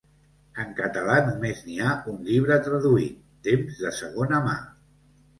En català només n’hi ha un llibre traduït, Temps de segona mà.